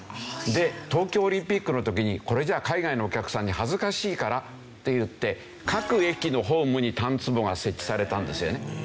で東京オリンピックの時にこれじゃあ海外のお客さんに恥ずかしいからといって各駅のホームにたんつぼが設置されたんですよね。